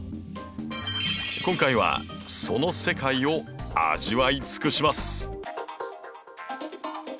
今回はその世界を味わい尽くします！